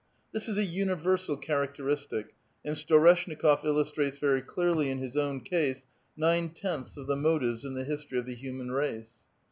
This is a universal characteristic, and Storeshnikof illus trates very clearly in his own case nine tenths of the motives in the history of the human race.